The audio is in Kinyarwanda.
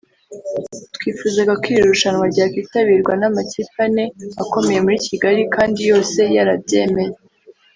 twifuzaga ko iri rushanwa ryakwitabirwa n’amakipe ane akomeye muri Kigali kandi yose yarabyemeye